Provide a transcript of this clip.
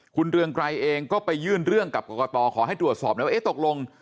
คุณเรืองไกรเองก็ไปยื่นเรื่องกับกรกตขอให้ตรวจสอบนะว่าเอ๊ะตกลง